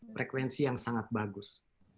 frekuensi yang sangat bagus